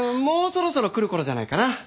もうそろそろ来るころじゃないかな。